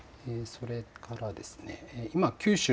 それからですね